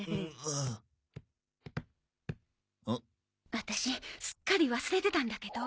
ワタシすっかり忘れてたんだけど。